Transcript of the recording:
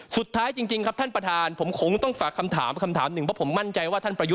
สี่สามเท่าเหมือนเดิมน่ะ